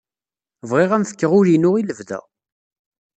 Bɣiɣ ad am-fkeɣ ul-inu i lebda.